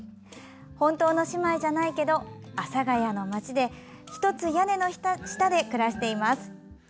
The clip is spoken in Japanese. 本当の姉妹じゃないけど阿佐ヶ谷の町でひとつ屋根の下で暮らしています。